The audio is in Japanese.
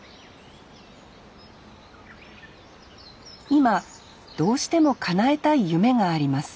今どうしてもかなえたい夢があります